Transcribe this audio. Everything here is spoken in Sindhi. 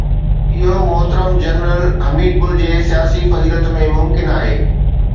اهو محترم جنرل حميد گل جي سياسي فضيلت ۾ ممڪن آهي.